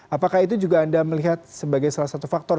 apakah itu juga anda melihat sebagai salah satu faktor